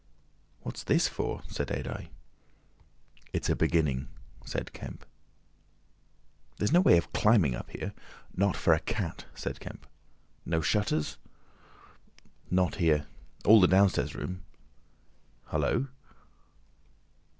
"What's this for?" said Adye. "It's a beginning," said Kemp. "There's no way of climbing up here?" "Not for a cat," said Kemp. "No shutters?" "Not here. All the downstairs rooms—Hullo!"